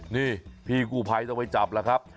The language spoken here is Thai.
นี่พี่กู้ภัยต้องไปจับล่ะครับ